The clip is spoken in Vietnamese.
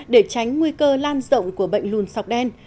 để tránh nguy cơ lan rộng của bệnh lùn sọc đen